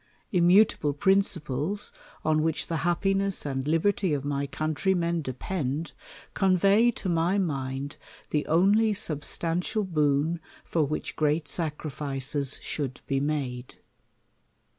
Immutable principles, on which the happiness and liberty of my countrymen depend, con vey to^my mind the only substantial boon for which great sacrifices should be made.